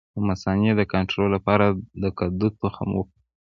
د مثانې د کنټرول لپاره د کدو تخم وخورئ